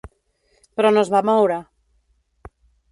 Però no es va moure.